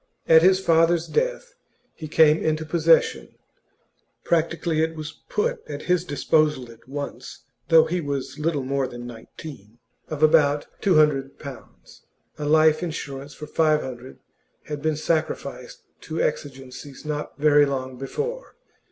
At his father's death he came into possession (practically it was put at his disposal at once, though he was little more than nineteen) of about two hundred pounds a life insurance for five hundred had been sacrificed to exigencies not very long before.